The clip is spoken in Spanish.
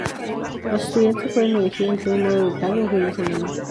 Los estudiantes pueden elegir entre un modo de tarde o fin de semana.